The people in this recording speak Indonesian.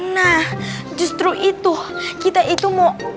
nah justru itu kita itu mau